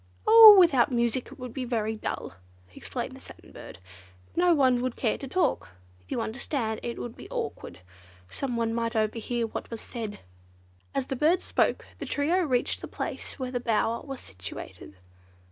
"Oh, without music it would be very dull," explained the Satin Bird. "No one would care to talk. You understand, it would be awkward, someone might overhear what was said." As the bird spoke the trio reached the place where the bower was situated.